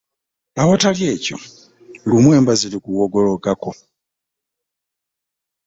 Awatali ekyo lumu emba zirikuwogokako.